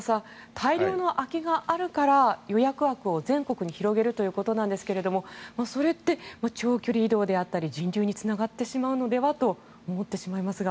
大量の空きがあるから予約枠を全国に広げるということなんですがそれって、長距離移動であったり人流につながってしまうのではと思ってしまうんですが。